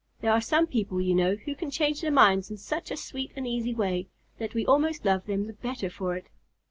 There are some people, you know, who can change their minds in such a sweet and easy way that we almost love them the better for it.